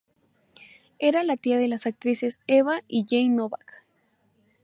Era la tía de las actrices Eva y Jane Novak.